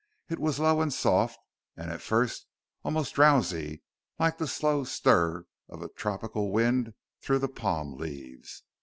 It was low and soft, and, at first, almost drowsy, like the slow stir of a tropical wind through palm leaves.